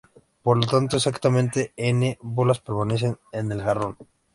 Por lo tanto, exactamente "n" bolas permanecen en el jarrón.